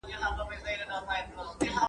ماتول مي سرابونه هغه نه یم ..